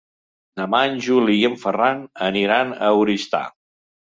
Demà en Juli i en Ferran aniran a Oristà.